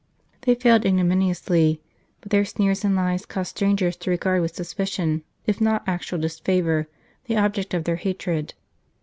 They failed ignominiously, but their sneers and lies caused strangers to regard with suspicion, if not actual disfavour, the object of their hatred.